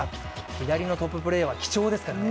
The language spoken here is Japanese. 左のトッププレーヤーは貴重ですからね。